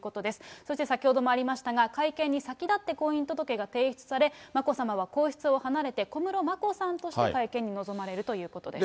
そして先ほどもありましたが、会見に先立って婚姻届が提出され、眞子さまは皇室を離れて小室眞子さんとして、会見に臨まれるということです。